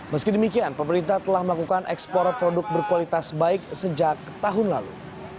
meski demikian pemerintah telah melakukan ekspor produk berkualitas baik sejak tahun lalu